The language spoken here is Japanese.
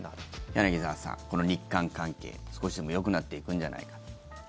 柳澤さん、この日韓関係少しでもよくなっていくんじゃないかと。